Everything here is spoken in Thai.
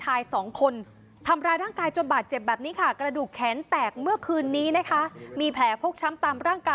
หลังจากที่เขา